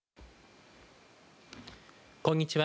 こんにちは。